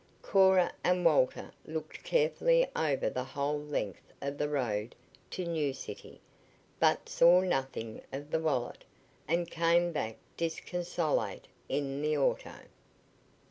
Cora and Walter looked carefully over the whole length of the road to New City, but saw nothing of the wallet, and came back disconsolate in the auto.